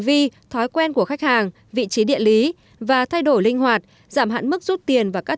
vi thói quen của khách hàng vị trí địa lý và thay đổi linh hoạt giảm hạn mức rút tiền và các